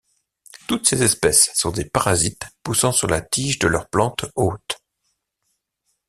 Toutes ces espèces sont des parasites poussant sur la tige de leur plante hôte.